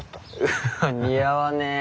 うわ似合わねえ。